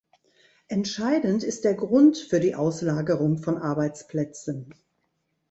Entscheidend ist der Grund für die Auslagerung von Arbeitsplätzen.